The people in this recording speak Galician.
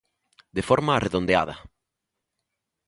De forma arredondeada